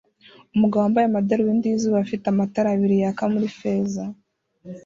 Umugabo wambaye amadarubindi yizuba afite amatara abiri yaka muri feza